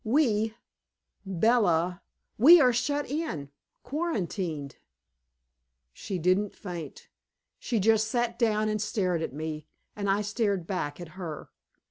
We Bella, we are shut in, quarantined." She didn't faint. She just sat down and stared at me, and I stared back at her.